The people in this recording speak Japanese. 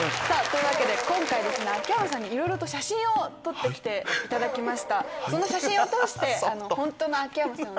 今回ですね秋山さんにいろいろ写真を撮ってきていただきました。